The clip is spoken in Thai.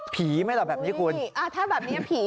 ผีไหมล่ะแบบนี้คุณถ้าแบบนี้ผี